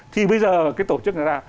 thì bây giờ cái tổ chức này ra